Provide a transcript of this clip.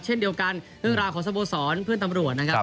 เช่นเดียวกันเรื่องราวของสโมสรเพื่อนตำรวจนะครับ